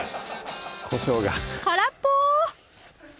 こしょうが空っぽ！